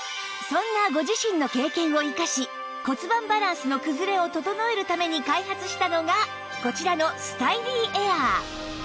そんなご自身の経験を生かし骨盤バランスの崩れを整えるために開発したのがこちらのスタイリーエアー